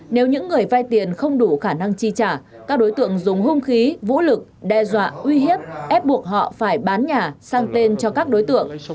nếu những người vay tiền không đủ khả năng chi trả các đối tượng dùng hung khí vũ lực đe dọa uy hiếp ép buộc họ phải bán nhà sang tên cho các đối tượng